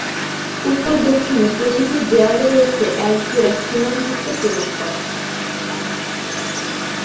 উত্তর দক্ষিণের প্রতিটি দেয়ালে রয়েছে এক জোড়া খিলানযুক্ত প্রবেশপথ।